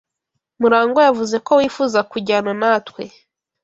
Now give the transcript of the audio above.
Murangwa yavuze ko wifuza kujyana natwe.